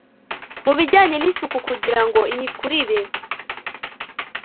muubijyanye nisuku kugirango imikurire